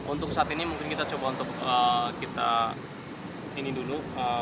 untuk saat ini mungkin kita coba untuk kita ini dulu